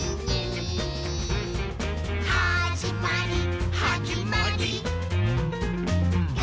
「はじまりはじまりー！」